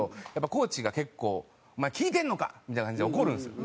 コーチが結構「お前聞いてるのか！」みたいな感じで怒るんですよ。